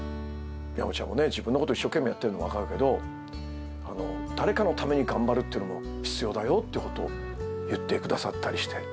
山ちゃんもね、自分のこと一生懸命やっているのは分かるけど、誰かのために頑張るっていうのも必要だよってことを言ってくださったりして。